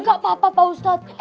gak apa apa pak ustadz